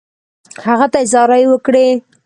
هغه ته یې زارۍ وکړې.